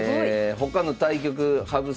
他の対局羽生先生